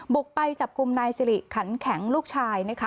บุกไปจับกลุ่มนายสิริขันแข็งลูกชายนะคะ